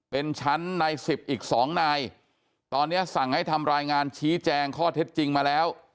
เป็นชั้นใน๑๐อีก๒นายตอนนี้สั่งให้ทำรายงานชี้แจงข้อเท็จจริงมาแล้ว